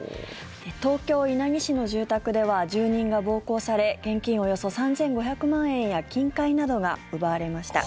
東京・稲城市の住宅では住人が暴行され現金およそ３５００万円や金塊などが奪われました。